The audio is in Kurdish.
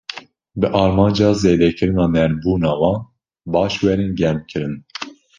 Bi armanca zêdekirina nermbûna wan, baş werin germkirin.